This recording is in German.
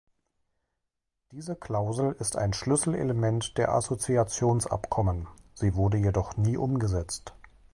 Diese Klausel ist ein Schlüsselelement der Assoziationsabkommen, sie wurde jedoch nie umgesetzt.